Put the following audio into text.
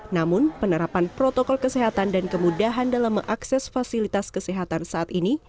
namun penerapan protokol kesehatan dan kemudahan dalam mengakses fasilitas kesehatan saat ini